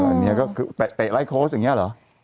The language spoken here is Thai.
อันนี้ก็คือเตะไร้โค้ชอย่างนี้เหรอ